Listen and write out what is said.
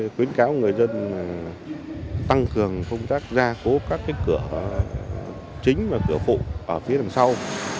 khuyến cáo người dân tăng cường công tác gia cố các cửa chính và cửa phụ ở phía đằng sau